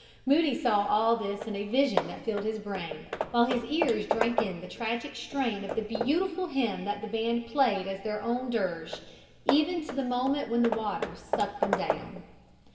Moody saw all this in a vision that filled his brain, while his ears drank in the tragic strain of the beautiful hymn that the band played as their own dirge, even to the moment when the waters sucked them down.